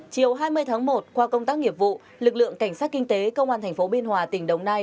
chiều hai mươi tháng một qua công tác nghiệp vụ lực lượng cảnh sát kinh tế công an tp biên hòa tỉnh đồng nai